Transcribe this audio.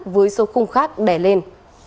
với số khung khác đẻ lên